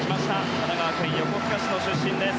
神奈川県横須賀市の出身です。